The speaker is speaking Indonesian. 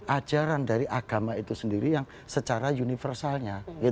ajaran dari agama itu sendiri yang secara universalnya